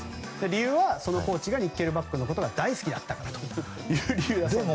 理由はそのコーチがニッケルバックのことが大好きだったからという理由だそうです。